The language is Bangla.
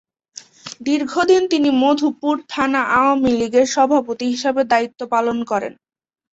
দীর্ঘদিন তিনি মধুপুর থানা আওয়ামী লীগের সভাপতি হিসেবে দায়িত্ব পালন করেন।